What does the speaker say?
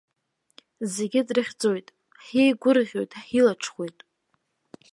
Зегьы дрыхьӡоит, ҳиеигәырӷьоит, ҳилаҽхәоит.